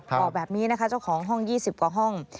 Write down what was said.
พอแบบนี้เจ้าของห้อง๒๐กว่าห้อง